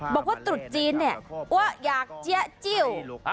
บอกว่าตรุษจีนเนี่ยว่าอยากเจ๊ะจิ๋ว